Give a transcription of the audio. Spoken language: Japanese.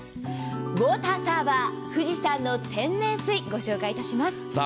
ウォーターサーバー富士山の天然水、ご紹介します。